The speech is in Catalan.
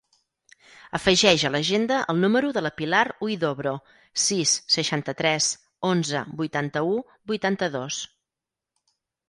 Afegeix a l'agenda el número de la Pilar Huidobro: sis, seixanta-tres, onze, vuitanta-u, vuitanta-dos.